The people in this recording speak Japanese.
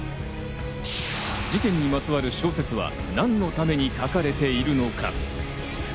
事件にまつわる小説は何のために書かれているのか。